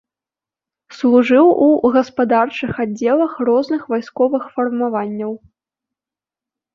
Служыў у гаспадарчых аддзелах розных вайсковых фармаванняў.